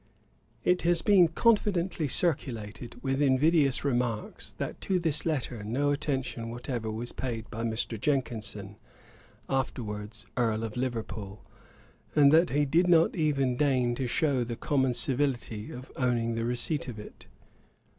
It has been confidently circulated, with invidious remarks, that to this letter no attention whatever was paid by Mr. Jenkinson (afterwards Earl of Liverpool), and that he did not even deign to shew the common civility of owning the receipt of it.